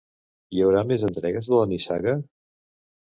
Hi haurà més entregues de la nissaga?